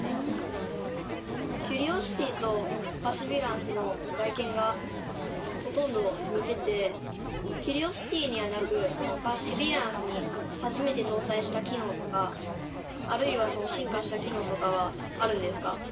キュリオシティとパーシビアランスの外見がほとんど似ててキュリオシティにはなくパーシビアランスに初めて搭載した機能とかあるいはその進化した機能とかはあるんですか？